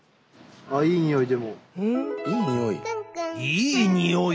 いいにおい？